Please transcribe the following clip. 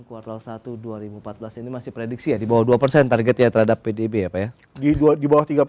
kuartal satu dua ribu empat belas ini masih prediksi ya di bawah dua persen targetnya terhadap pdb ya pak ya di bawah